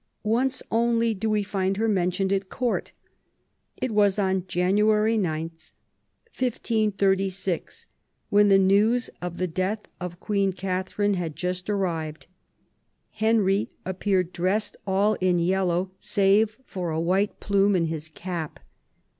Once only do we find her mentioned at Court. It was on I THE YOUTH OF ELIZABETH. 5 January 9, 1536, when the news of the death of Queen Catherine had just arrived. Henry appeared dressed all in yellow, save for a white plume in his cap.